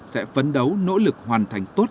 sẽ phấn đấu nỗ lực hoàn thành tốt